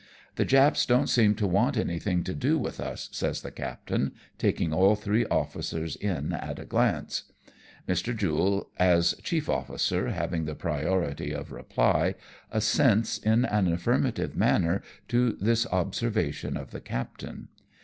" The Japs don't seem to want anything to do with us," says the captain, taking all three officers in at a glance. Mr. Jule as chief officer having the priority of reply, assents in an affirmative manner to this observation of the captain.